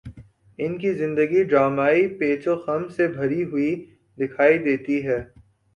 ان کی زندگی ڈرامائی پیچ و خم سے بھری ہوئی دکھائی دیتی ہے۔